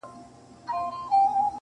نه د سرو ملو پیمانه سته زه به چیري ځمه-